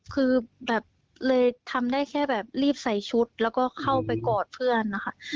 คือแบบเลยทำได้แค่แบบรีบใส่ชุดแล้วก็เข้าไปกอดเพื่อนนะคะ